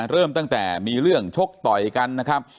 เริ่มตั้งแต่มีเรื่องชกต่อยกันนะครับ